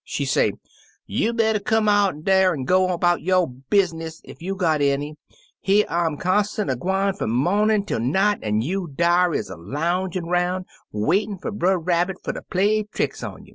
She say, 'You better come on out'n dar an' go on 'bout yo' business ef you got any. Here I 'm constant a gwine, fum momin' twel night, an' dar you is a loungin' roun', waitin' fer Brer Rabbit fer ter play tricks on you.